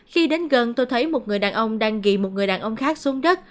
khi đến gần tôi thấy một người đàn ông đang gị một người đàn ông khác xuống đất